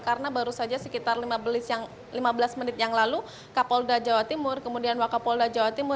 karena baru saja sekitar lima belas menit yang lalu kapolda jawa timur kemudian wakapolda jawa timur